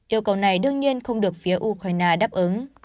yêu cầu này đương nhiên không được phía ukraine đáp ứng